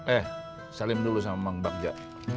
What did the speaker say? eh salim dulu sama bang bagja